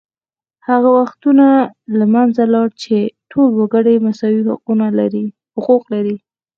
هغه وختونه له منځه لاړل چې ټول وګړي مساوي حقوق لري